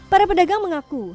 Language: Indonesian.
para pedagang mengaku